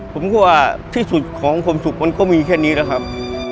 ผมก็ว่าที่สุดของความสุขมันก็มีแค่นี้นะครับ